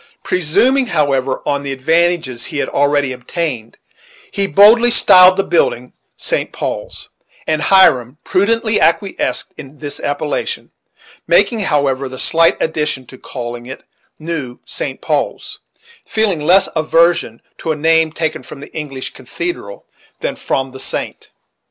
Presuming, however, on the advantages he had already obtained, he boldly styled the building St. Paul's, and Hiram prudently acquiesced in this appellation, making, however, the slight addition of calling it "New St. Paul's," feeling less aversion to a name taken from the English cathedral than from the saint.